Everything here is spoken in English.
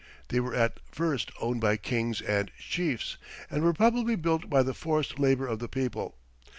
They were at first owned by kings and chiefs, and were probably built by the forced labour of the people.